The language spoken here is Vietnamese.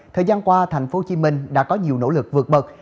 thời gian qua tp hcm đã có nhiều nỗ lực vượt bậc